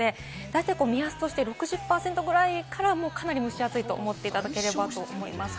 目安として６０％ぐらいから、もうかなり蒸し暑いと思っていただければと思います。